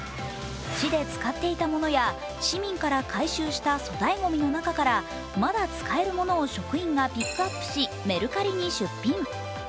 市で使っていたものや市民から回収した粗大ごみの中からまだ使えるものを職員がピックアップしメルカリに出品。